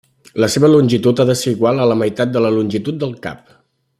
La seva longitud ha de ser igual a la meitat de la longitud del cap.